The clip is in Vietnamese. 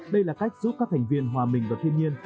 đây là cách giúp các thành viên hòa mình vào thiên nhiên